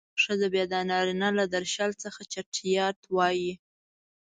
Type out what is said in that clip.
ښځه بيا د نارينه له درشل څخه چټيات وايي.